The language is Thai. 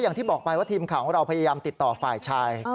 อย่างที่บอกไปว่าทีมข่าวของเราพยายามติดต่อฝ่ายชาย